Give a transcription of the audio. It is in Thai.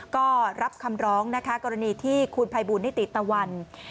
ก็รับคำร้องนะคะกรณีที่คุณภัยบูลนิติตะวัน